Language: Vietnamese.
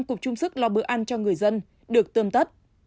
cục trung sức lo bữa ăn cho người dân được tươm tất